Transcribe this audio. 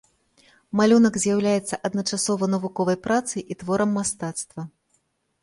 Малюнак з'яўляецца адначасова навуковай працай і творам мастацтва.